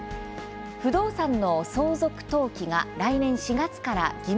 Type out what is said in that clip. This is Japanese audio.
不動産の相続登記が来年４月から義務化されます。